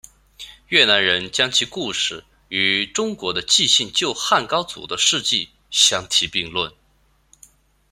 越南人将其故事与中国的纪信救汉高祖的事迹相提并论。